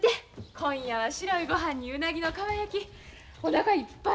今夜は白いごはんにウナギのかば焼きおなかいっぱい